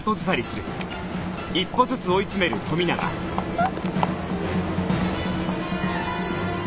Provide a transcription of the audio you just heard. あっ。